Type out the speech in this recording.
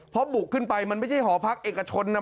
พอบุกขึ้นไปมันไม่ใช่หอพักเอกชนนะ